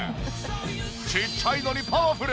ちっちゃいのにパワフル！